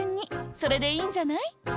それでいいんじゃない？